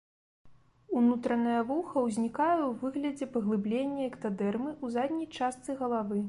Унутранае вуха ўзнікае ў выглядзе паглыблення эктадэрмы ў задняй частцы галавы.